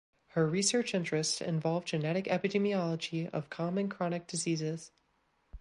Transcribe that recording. Her research interests involve genetic epidemiology of common chronic diseases.